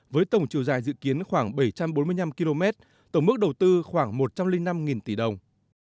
với tổng chiều dài dự kiến khoảng bảy trăm bốn mươi năm km tổng mức đầu tư khoảng một trăm linh năm tỷ đồng